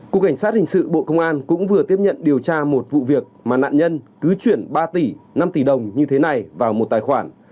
cục cảnh sát hình sự bộ công an cũng vừa tiếp nhận điều tra một vụ việc mà nạn nhân cứ chuyển ba tỷ năm tỷ đồng như thế này vào một tài khoản